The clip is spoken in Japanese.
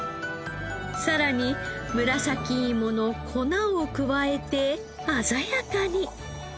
さらに紫いもの粉を加えて鮮やかに。